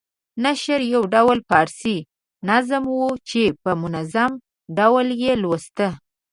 نشرح یو ډول فارسي نظم وو چې په منظوم ډول یې لوست.